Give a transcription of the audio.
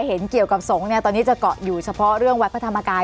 เห็นเกี่ยวกับสงฆ์เนี่ยตอนนี้จะเกาะอยู่เฉพาะเรื่องวัดพระธรรมกาย